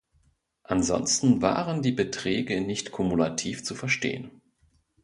Ansonsten waren die Beträge nicht kumulativ zu verstehen.